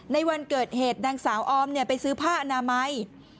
ในวันเกิดเหตุนางสาวออมไปซื้อผ้าอนามัย